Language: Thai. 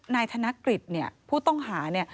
นายธนกฤษเนี่ยผู้ต้องหาเนี่ย